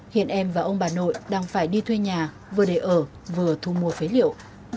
hiện em và ông bà nội đang phải đi thuê nhà vừa để ở vừa thu mua phế liệu